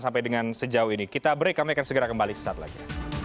sampai dengan sejauh ini kita break kami akan segera kembali sesaat lagi